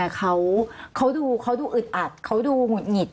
เขาดูอึดอัดเขาดูหงุดหงิด